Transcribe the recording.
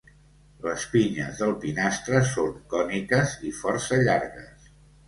Les pinyes del pinastre són còniques i força llargues.